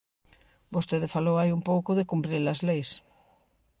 Vostede falou hai un pouco de cumprir as leis.